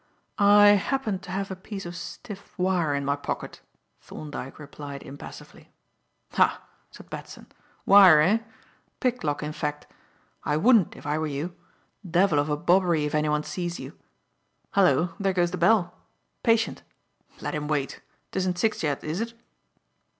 "I happened to have a piece of stiff wire in my pocket," Thorndyke replied impassively. "Ha!" said Batson. "Wire, eh? Picklock in fact. I wouldn't, if I were you. Devil of a bobbery if anyone sees you. Hallo! There goes the bell. Patient. Let him wait. 'Tisn't six yet, is it?"